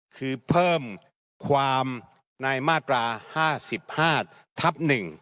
คือเพิ่มความในมาตราห้าสิบห้าทับ๑